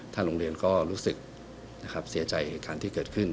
ท่านโรงเรียนก็รู้สึกเสียใจการที่เกิดขึ้น